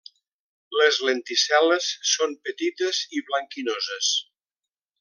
Les lenticel·les són petites i blanquinoses.